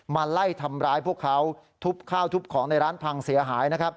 มาไล่ทำร้ายพวกเขาทุบข้าวทุบของในร้านพังเสียหายนะครับ